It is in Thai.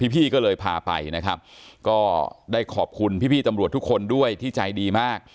พี่ก็เลยพาไปนะครับก็ได้ขอบคุณพี่ตำรวจทุกคนด้วยที่ใจดีมาก